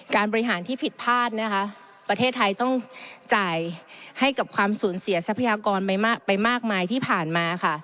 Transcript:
การบริหารที่ผิดพลาดนะคะประเทศไทยต้องจ่ายให้กับความสูญเสียทรัพยากรไปมากมายที่ผ่านมาค่ะ